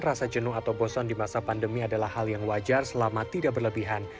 rasa jenuh atau bosan di masa pandemi adalah hal yang wajar selama tidak berlebihan